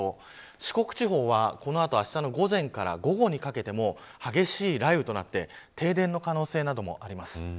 四国地方は、この後あしたの午前から午後にかけて激しい雷雨となって停電の可能性などもあります。